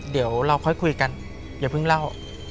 เดี๋ยวเพิ่งเล่า